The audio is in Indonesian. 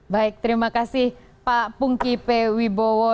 baik terima kasih pak pungki p wibowo